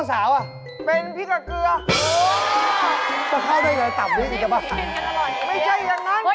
ถ้าอยากบอกช่วยด้วย